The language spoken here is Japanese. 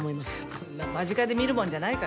そんな間近で見るもんじゃないから。